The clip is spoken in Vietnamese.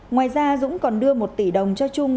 ngoài ra dũng còn đưa một tỷ đồng cho trung